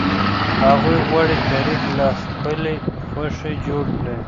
هغوی غواړي تاريخ له خپلي خوښې جوړ کړي.